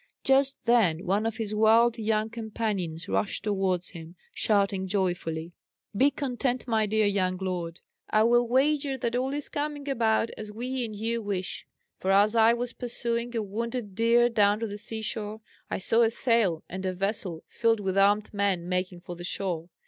Just then one of his wild young companions rushed towards him, shouting joyfully: "Be content my dear young lord! I will wager that all is coming about as we and you wish; for as I was pursuing a wounded deer down to the sea shore, I saw a sail and a vessel filled with armed men making for the shore.